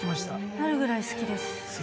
あるぐらい好きです。